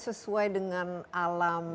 sesuai dengan alam